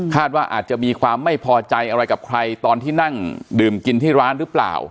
ว่าอาจจะมีความไม่พอใจอะไรกับใครตอนที่นั่งดื่มกินที่ร้านหรือเปล่า